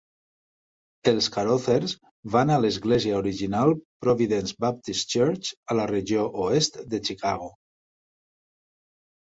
Els Carothers van a l"església Original Providence Baptist Church a la regió oest de Chicago.